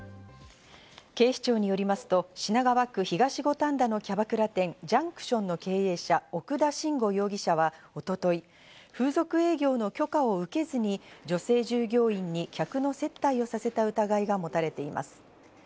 警視庁によりますと、品川区東五反田のキャバクラ店ジャンクションの経営者・奥田伸吾容疑者は一昨日、風俗営業の許可を受けずに女性従業員に客の接待をさせた疑いが持たれています。